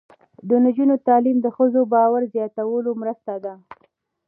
د نجونو تعلیم د ښځو باور زیاتولو مرسته ده.